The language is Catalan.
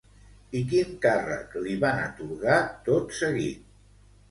I quin càrrec li van atorgar tot seguit?